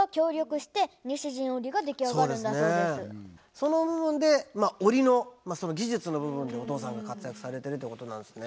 その部分で織りのその技術の部分でお父さんが活躍されてるということなんですね。